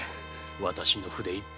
私の筆一本でね。